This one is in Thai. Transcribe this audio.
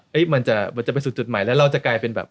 มันจะไปสู่จุดใหม่แล้วเราจะกลายเป็นแบบ